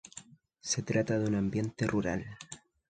Se trata de un ambiente rural.